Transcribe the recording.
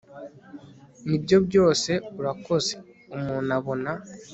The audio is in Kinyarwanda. nibyo byose urakoze umuntu abona